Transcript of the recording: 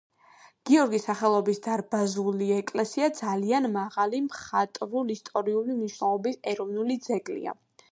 გიორგის სახელობის დარბაზული ეკლესია ძალიან მაღალი მხატვრულ-ისტორიული მნიშვნელობის ეროვნული ძეგლია.